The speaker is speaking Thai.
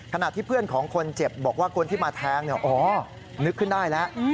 ขณะที่เพื่อนของคนเจ็บบอกว่าคนที่มาแทงอ๋อนึกขึ้นได้แล้ว